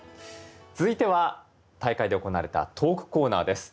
続いては大会で行われたトークコーナーです。